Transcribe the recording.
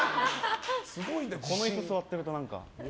この椅子座ってると何か。